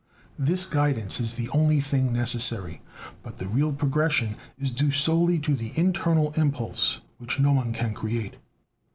This guidance is the only thing necessary; but the real progression is due solely to the internal impulse, which no one can create.